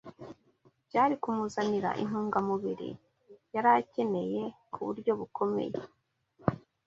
byari kumuzanira intungamubiri yari akeneye ku buryo bukomeye.